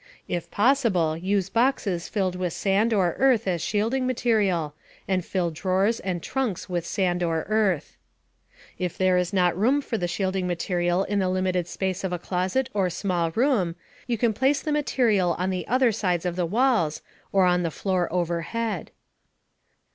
If possible, use boxes filled with sand or earth as shielding material, and fill drawers and trunks with sand or earth. If there is not room for the shielding material in the limited space of a closet or small room, you can place the material on the other sides of the walls, or on the floor overhead.